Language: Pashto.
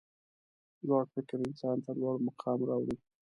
لوړ فکر انسان ته لوړ مقام راوړي.